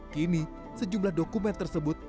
kini sejumlah dokumen tersebut